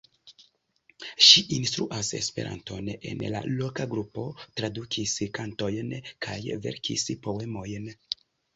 Ŝi instruas Esperanton en la loka grupo, tradukis kantojn kaj verkis poemojn.